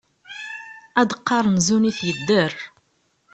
Ad d-qqaṛen zun-it yedder.